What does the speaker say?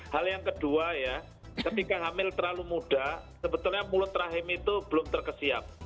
hal yang kedua ya ketika hamil terlalu muda sebetulnya mulut rahim itu belum terkesiap